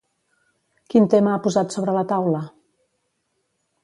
Quin tema ha posat sobre la taula?